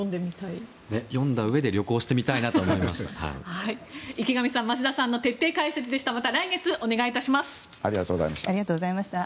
読んだうえで旅行したいと思いました。